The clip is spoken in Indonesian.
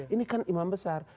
ini kan imam besar